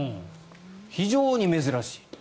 非常に珍しい。